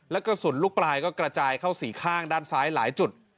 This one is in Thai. และกระสุนลูกปลายก็กระจายเข้าสี่ข้างด้านซ้ายหลายจุด